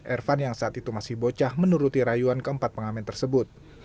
ervan yang saat itu masih bocah menuruti rayuan keempat pengamen tersebut